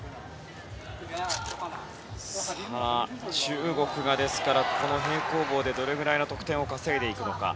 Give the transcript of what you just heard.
中国がこの平行棒でどれぐらい得点を稼いでいくか。